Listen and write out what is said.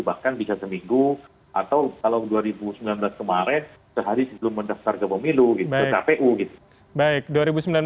bahkan bisa seminggu atau kalau dua ribu sembilan belas kemarin sehari sebelum mendaftar ke pemilu gitu ke kpu gitu